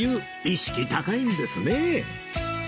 意識高いんですね